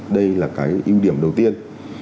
đây là cái ưu điểm đầu tiên